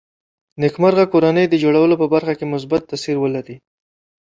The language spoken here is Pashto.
نېکمرغه کورنۍ د جوړولو په برخه کې مثبت تاثیر ولري